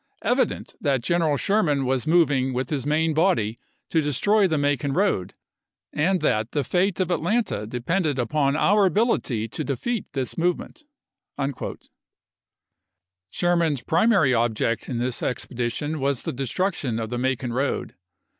xii. — "evident that General Sherman was moving Hood> with his main body to destroy the Macon road, and "AdIndce that the fate of Atlanta depended npon our ability p. 203.' to defeat this movement." Sherman's primary object in this expedition was the destruction of the Macon road.